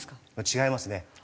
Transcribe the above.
違いますね。